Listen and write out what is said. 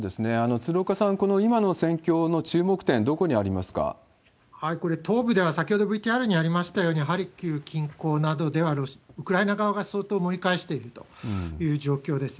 鶴岡さん、今の戦況の注目点、これ、東部では、先ほどＶＴＲにありましたように、ハルキウ近郊などではウクライナ側が相当盛り返しているという状況です。